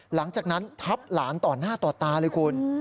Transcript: หลังจากนั้นทับหลานต่อหน้าต่อตาเลยคุณ